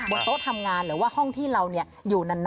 โต๊ะทำงานหรือว่าห้องที่เราอยู่นาน